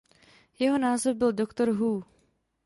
Jeho název byl Doctor Who.